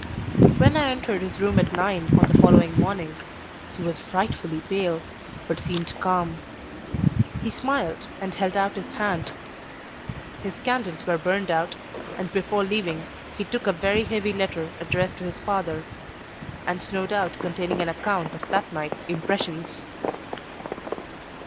When I entered his room at nine on the following morning he was frightfully pale, but seemed calm. He smiled and held out his hand. His candles were burned out; and before leaving he took a very heavy letter addressed to his father, and no doubt containing an account of that night's impressions.